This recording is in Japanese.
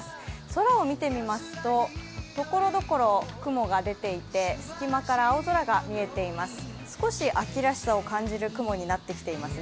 空を見てみますとところどころ雲が出ていて隙間から青空が見えています。